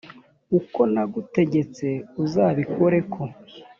uko nagutegetse uzabikore ko